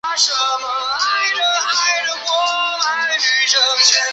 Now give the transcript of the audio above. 储存区域网络是一种连接外接存储设备和服务器的架构。